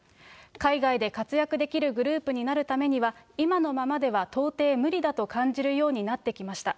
海外で活躍できるグループになるためには、今のままでは到底無理だと感じるようになってきました。